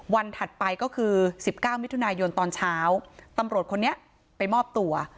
ถัดไปก็คือ๑๙มิถุนายนตอนเช้าตำรวจคนนี้ไปมอบตัว